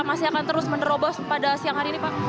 masih akan terus menerobos pada siang hari ini pak